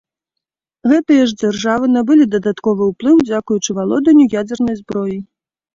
Гэтыя ж дзяржавы набылі дадатковы ўплыў дзякуючы валоданню ядзернай зброяй.